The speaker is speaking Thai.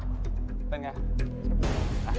เป็นไง